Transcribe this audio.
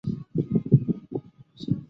归驷桥的历史年代为清。